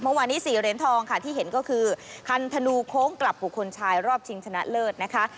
เมื่อวานนี้๔เหรียญทองค่ะที่เห็นก็คือคันธนูโค้งกลับบุคคลชายรอบชิงชนะเลิศนะคะ